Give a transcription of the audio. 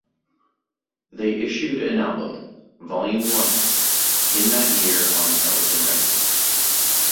They issued an album, "Volume One", in that year on Pelican Records.